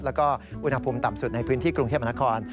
แล้วก็อุณหภูมิต่ำสุดในพื้นที่กรุงเทพมนาคม